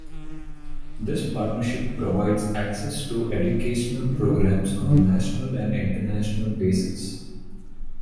This partnership provides access to educational programs on a national and international basis.